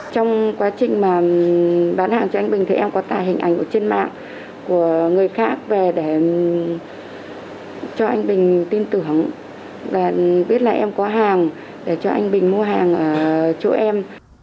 trong quá trình mà bán hàng cho anh bình thì em có tài hình ảnh ở trên mạng của người khác về để cho anh bình tin tưởng và biết là em có hàng để cho anh bình mua hàng ở chỗ em